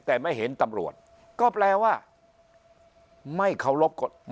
แต่ไม่เห็นตำรวจก็แปลว่าไม่เคารพกฎ